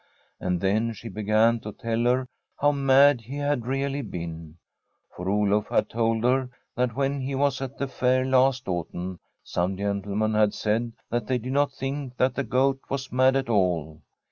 And then she began to tell her how mad he had really been. For Oluf had told her that when he was at the fair last autumn some gentlemen had said that they did not think the Goat was mad at all.